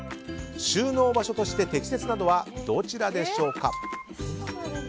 収納場所として適切なのはどちらでしょうか？